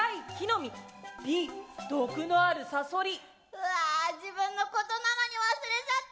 うわ自分のことなのに忘れちゃった。